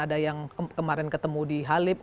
ada yang kemarin ketemu di halib